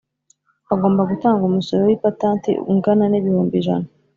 agomba gutanga umusoro w ipatanti ungana nibihumbi ijana.